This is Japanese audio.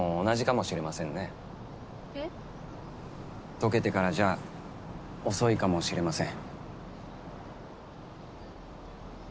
溶けてからじゃ遅いかもしれません。